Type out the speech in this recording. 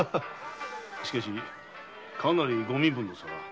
しかしかなりご身分の差が。